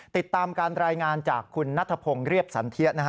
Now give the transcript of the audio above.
ติดตามการรายงานจากคุณนัทพงศ์เรียบสันเทียนนะฮะ